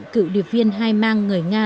cựu điệp viên hai mang người nga